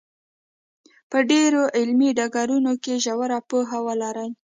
په ډېرو علمي ډګرونو کې ژوره پوهه ولري.